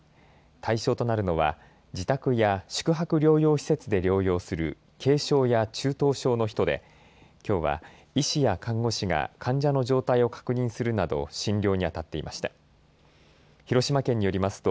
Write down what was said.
対象となるのは自宅や宿泊療養施設で療養する軽症や中等症の人できょうは医師や看護師が患者の状態を確認するなど診療にあたっていました。